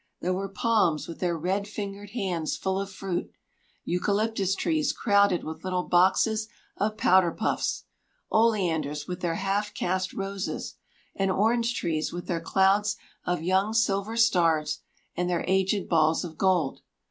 There were palms with their red fingered hands full of fruit, eucalyptus trees crowded with little boxes of powder puffs, oleanders with their half caste roses, and orange trees with their clouds of young silver stars and their aged balls of gold.